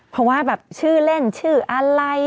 เพราะว่าแบบชื่อเล่นชื่ออะไร